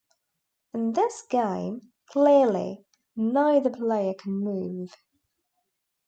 In this game, clearly, neither player can move.